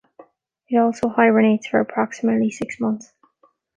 It also hibernates for approximately six months.